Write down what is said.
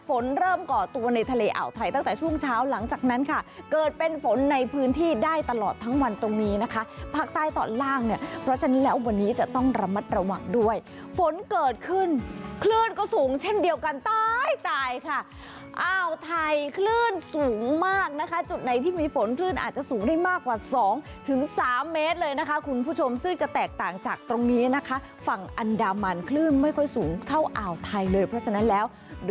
ฝนเริ่มก่อตัวในทะเลอ่วไทยตั้งแต่ช่วงเช้าหลังจากนั้นค่ะเกิดเป็นฝนในพื้นที่ได้ตลอดทั้งวันตรงนี้นะคะภาคใต้ต่อล่างเนี่ยเพราะฉะนั้นแล้ววันนี้จะต้องระมัดระวังด้วยฝนเกิดขึ้นคลื่นก็สูงเช่นเดียวกันตายค่ะอ่าวไทยคลื่นสูงมากนะคะจุดไหนที่มีฝนคลื่นอาจจะสูงได้มากกว่า๒๓เ